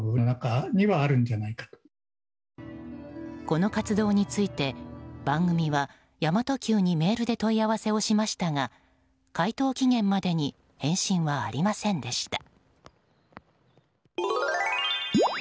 この活動について番組は神真都Ｑにメールで問い合わせをしましたが回答期限までに返信はありませんでした。